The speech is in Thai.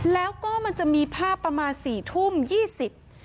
แล้วก็มันจะมีภาพประมาณ๔ทุ่ม๒๐พฤษภาคม